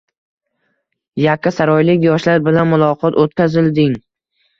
Yakkasaroylik yoshlar bilan muloqot o‘tkazilding